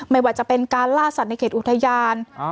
ไม่ว่าจะเป็นการล่าสัตว์ในเขตอุทยาน